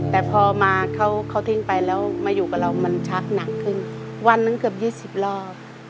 แต่พอมาเขาทิ้งไปแล้วมาอยู่กับเรามันชักหนักขึ้นวันหนึ่งเกือบ๒๐รอบ